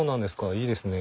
いいですね。